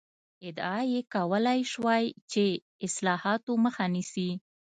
ادعا یې کولای شوای چې اصلاحاتو مخه نیسي.